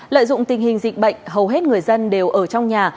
lợi dụng tình hình dịch bệnh hầu hết người dân đều ở trong nhà